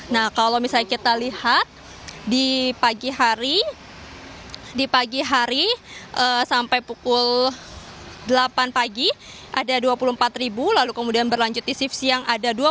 nah kalau misalnya kita lihat di pagi hari sampai pukul delapan pagi ada dua puluh empat lalu kemudian berlanjut di shift siang ada dua puluh delapan dan sampai saat ini masih terus meningkat kendaraan kendaraan yang akan masuk melintas ke gerbang tol cikampek utama